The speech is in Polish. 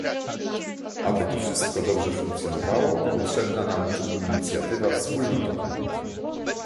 Aby to wszystko dobrze funkcjonowało, potrzebna nam tu inicjatywa wspólnotowa